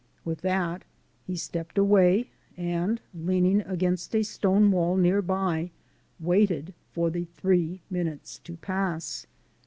With that he stepped away and, leaning against a stone wall near by, waited for the three minutes to pass.